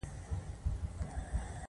د ماهیپر لاره ډیره کږه وږه ده